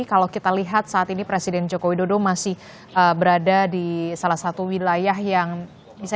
kalau kita lihat saat ini presiden joko widodo masih berada di salah satu wilayah yang bisa